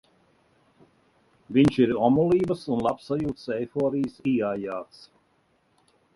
Viņš ir omulības un labsajūtas eiforijas ieaijāts.